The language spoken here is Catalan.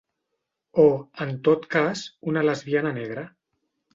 O, en tot cas, una lesbiana negra.